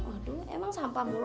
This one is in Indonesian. aduh emang sampah mulu